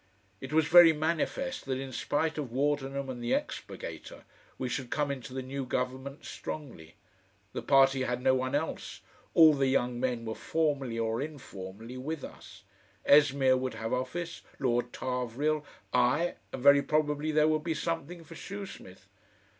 It was very manifest that in spite of Wardenham and the EXPURGATOR, we should come into the new Government strongly. The party had no one else, all the young men were formally or informally with us; Esmeer would have office, Lord Tarvrille, I... and very probably there would be something for Shoesmith.